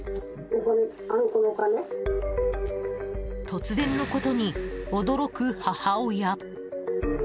突然のことに驚く母親。